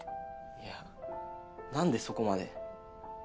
いやなんでそこまで？